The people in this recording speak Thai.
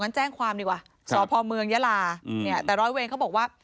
แจ้งความดีกว่าสพเมืองยาลาอืมเนี่ยแต่ร้อยเวรเขาบอกว่า